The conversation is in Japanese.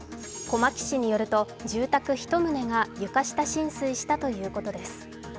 小牧市によると住宅１棟が床下浸水したということです。